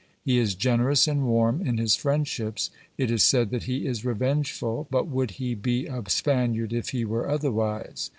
He is generous and warm in his friendships. It is said that he is revengeful; but would he be a Spaniard if he were otherwise